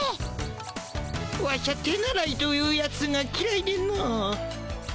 ワシャ手習いというやつがきらいでの。